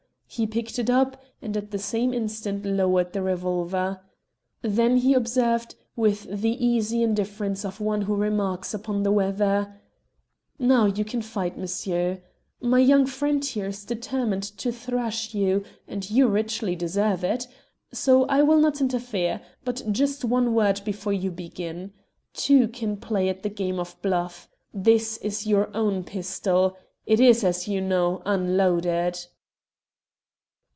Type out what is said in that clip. He picked it up, and at the same instant lowered the revolver. Then he observed, with the easy indifference of one who remarks upon the weather "Now you can fight, monsieur. My young friend here is determined to thrash you, and you richly deserve it. So I will not interfere. But just one word before you begin. Two can play at the game of bluff. This is your own pistol. It is, as you know, unloaded."